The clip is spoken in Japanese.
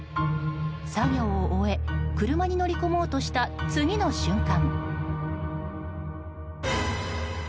作業を終え車に乗り込もうとした次の瞬間。